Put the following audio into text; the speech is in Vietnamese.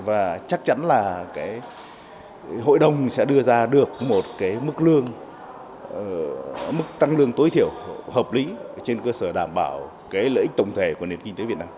và chắc chắn là hội đồng sẽ đưa ra được một cái mức lương mức tăng lương tối thiểu hợp lý trên cơ sở đảm bảo cái lợi ích tổng thể của nền kinh tế việt nam